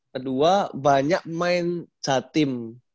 kedua banyak main catim